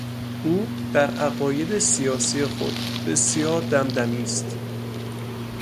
او در عقاید سیاسی خود بسیار دمدمی است.